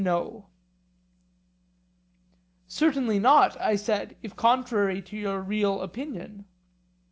Certainly not, I said, if contrary to your real opinion.